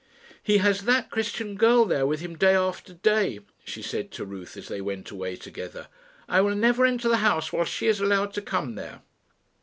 "He has that Christian girl there with him day after day," she said to Ruth as they went away together. "I will never enter the house while she is allowed to come there."